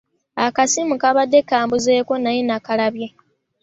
Akasimu kaabadde kambuzeeko naye nakalabye.